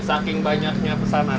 saking banyaknya pesanan